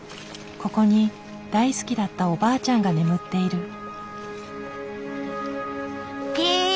ここに大好きだったおばあちゃんが眠っている。